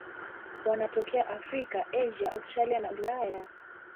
Wanatokea Afrika, Asia, Australia na Ulaya.